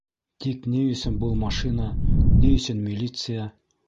Тик ни өсөн был машина, ни өсөн милиция?!